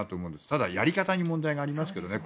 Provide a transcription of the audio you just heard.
ただ、やり方に問題がありますけどね。